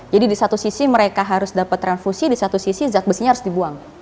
jadi di satu sisi mereka harus dapat transfusi di satu sisi zat besinya harus dibuang